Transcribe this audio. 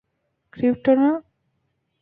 Crypto, না!